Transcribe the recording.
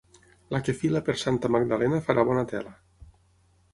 La que fila per Santa Magdalena farà bona tela.